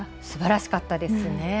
すばらしかったですね。